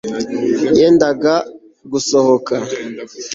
yendaga gusohoka